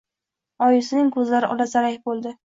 Oyisining ko‘zlari olazarak bo‘ldi